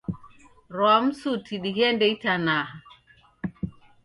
Rwa msuti dighende itanaha.